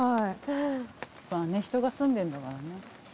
まぁね人が住んでんだからね。